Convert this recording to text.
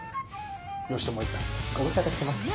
義知叔父さんご無沙汰してます。